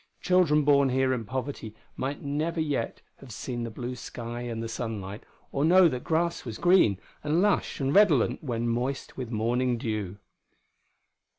Children born here in poverty might never yet have seen the blue sky and the sunlight, or know that grass was green and lush and redolent when moist with morning dew....